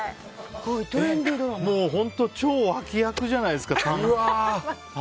これ、本当に超脇役じゃないですか。